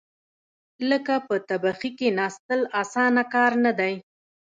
لکه په تبخي کېناستل، اسانه کار نه دی.